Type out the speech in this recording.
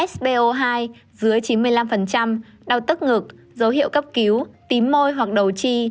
so hai dưới chín mươi năm đau tức ngực dấu hiệu cấp cứu tím môi hoặc đầu chi